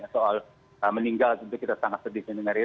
soal meninggal kita sangat sedih dengan dia